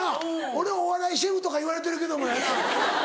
俺お笑いシェフとかいわれてるけどもやな。